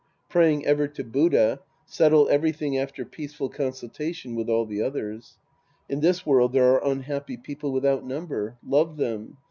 Praying ever to Buddha, settle everything after peaceful consultation with all the others. In this world, there are unhappy people without number. Love them.